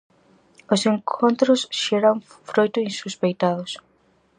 Os encontros xeran froito insospeitados.